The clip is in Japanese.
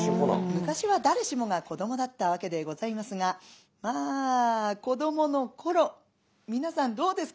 昔は誰しもが子どもだったわけでございますがまあ子どもの頃皆さんどうですか？